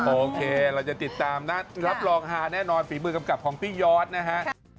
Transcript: โอเคเราจะติดตามนะรับรองฮาแน่นอนฝีมือกำกับของพี่ยอดนะฮะ